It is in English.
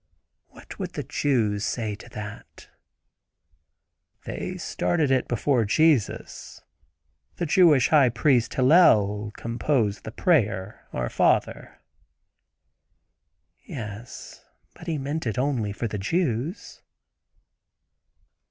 "What would the Jew say to that?" "They started it before Jesus. The Jewish High Priest Hillel composed the prayer, 'Our Father.'" "Yes; but he meant it only for the Jews."